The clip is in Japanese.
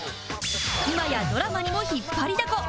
今やドラマにも引っ張りだこ